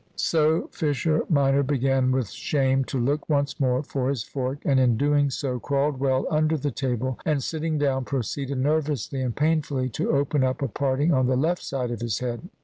So Fisher minor began with shame to look once more for his fork, and in doing so crawled well under the table, and sitting down proceeded nervously and painfully to open up a parting on the left side of his head.